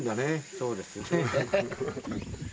そうですね。